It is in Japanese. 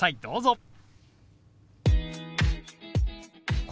どうぞ。